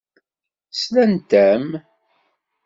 Slant-am.